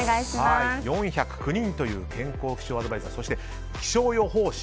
４０９人という健康気象アドバイザーそして気象予報士